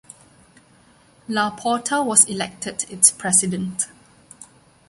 Laporta was elected its president.